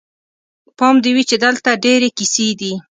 پام دې وي چې دلته ډېرې کیسې دي.